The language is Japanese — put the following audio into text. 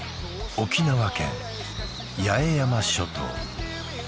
沖縄県八重山諸島